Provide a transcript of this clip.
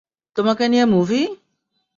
তোমাকে নিয়ে মুভি?